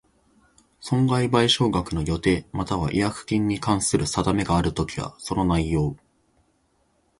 損害賠償額の予定又は違約金に関する定めがあるときは、その内容